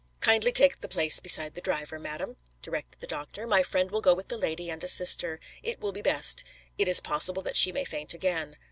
"Kindly take the place beside the driver, madam," directed the doctor. "My friend will go with the lady and assist her; it will be best. It is possible that she may faint again."